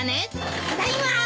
ただいま。